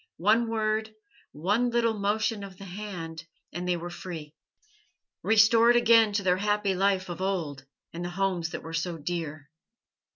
One word, one little motion of the hand, and they were free, restored again to their happy life of old and the homes that were so dear.